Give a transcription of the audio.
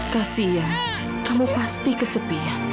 kasian kamu pasti kesepian